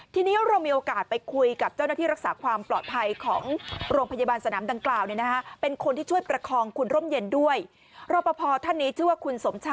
ทีนี้เรามีโอกาส